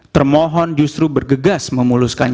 termohon justru bergegas memuluskan